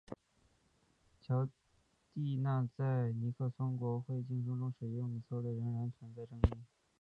乔蒂纳在尼克松国会竞选中使用的策略仍然存在争议。